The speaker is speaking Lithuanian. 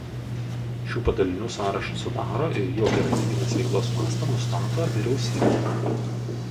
Šių padalinių sąrašą sudaro ir jų operatyvinės veiklos mastą nustato Vyriausybė.